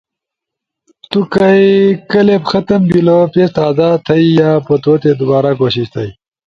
تو کائی کلپ ختم بیلو- پیج تازا تھئی، یا پتوتے دوبارا کوشش تھئی۔